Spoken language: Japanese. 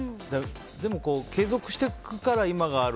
でも継続していくから今がある。